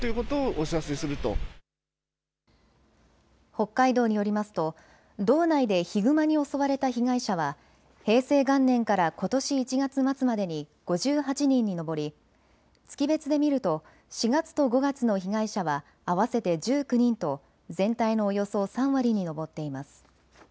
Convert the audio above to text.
北海道によりますと道内でヒグマに襲われた被害者は平成元年からことし１月末までに５８人に上り月別で見ると４月と５月の被害者は合わせて１９人と全体のおよそ３割に上っています。